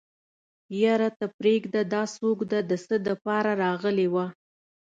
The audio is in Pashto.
يره ته پرېده دا څوک ده د څه دپاره راغلې وه.